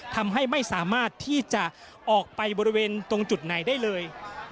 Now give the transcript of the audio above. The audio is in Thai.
ทำให้ไม่สามารถที่จะออกไปบริเวณตรงจุดไหนได้เลย